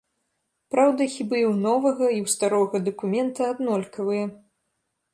Праўда, хібы і ў новага, і ў старога дакумента аднолькавыя.